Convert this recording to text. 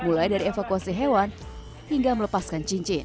mulai dari evakuasi hewan hingga melepaskan cincin